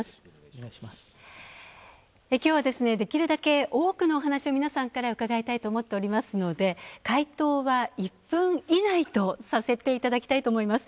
きょうは、できるだけ多くのお話を皆さんから伺いたいと思っておりますので回答は１分以内とさせていただきたいと思います。